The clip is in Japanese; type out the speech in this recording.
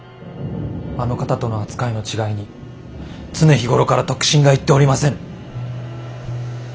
あの方との扱いの違いに常日頃から得心がいっておりませぬ。